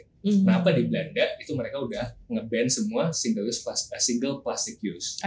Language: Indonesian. kenapa di belanda itu mereka udah nge ban semua single plastic use